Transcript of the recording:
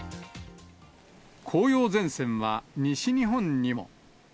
紅葉前線は西日本にも。